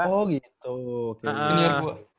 oh gitu junior gua